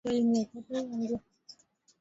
Patty alikuwa na nyumba huko Houston